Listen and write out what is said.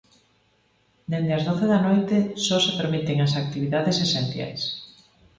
Dende as doce da noite só se permiten as actividades esenciais.